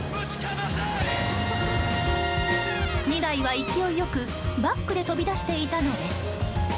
２台は勢いよくバックで飛び出していたのです。